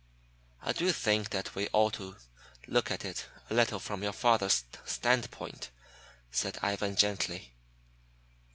"I do think that we ought to look at it a little from your father's standpoint," said Ivan gently.